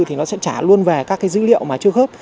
thì nó sẽ trả luôn về các cái dữ liệu mà chưa khớp